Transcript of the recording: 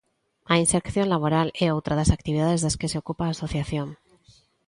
A inserción laboral é outra das actividades das que se ocupa a asociación.